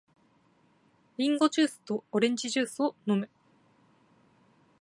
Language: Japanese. リンゴジュースとオレンジジュースを飲む。